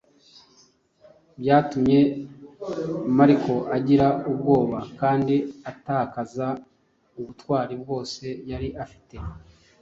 byatumye Mariko agira ubwoba kandi atakaza ubutwari bwose yari afite.